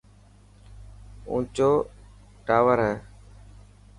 اونچو ٽاور هي.